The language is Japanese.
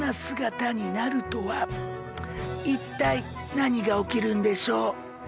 一体何が起きるんでしょう。